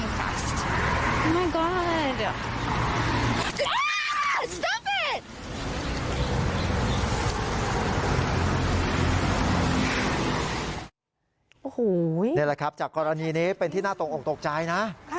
นี่แหละครับจากกรณีนี้เป็นที่น่าตกออกตกใจนะ